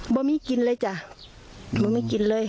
มันมีกลิ่นเลยจ้ะมันมีกลิ่นเลย